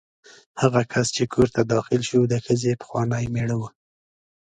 هغه کس چې کور ته داخل شو د ښځې پخوانی مېړه و.